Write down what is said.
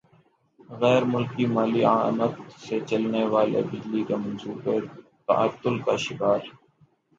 غیر ملکی مالی اعانت سے چلنے والے بجلی کے منصوبے تعطل کا شکار